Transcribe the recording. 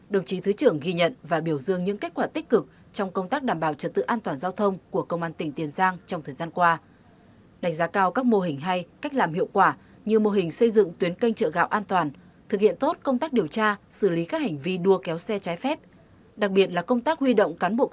đồng chí thứ trưởng bộ công an thành phố cảnh sát giao thông cảnh sát giao thông cảnh sát giao thông cảnh sát giao thông